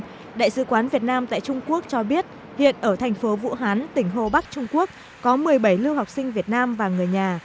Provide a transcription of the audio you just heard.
trước đó đại sứ quán việt nam tại trung quốc cho biết hiện ở thành phố vũ hán tỉnh hồ bắc trung quốc có một mươi bảy lưu học sinh việt nam và người nhà